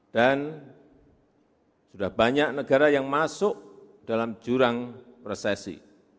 dan sudah banyak negara yang masuk dalam jurang resesi